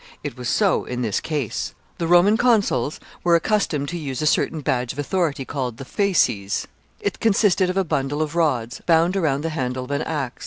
It was so in this case. The Roman consuls were accustomed to use a certain badge of authority called the fasces. It consisted of a bundle of rods, bound around the handle of an ax.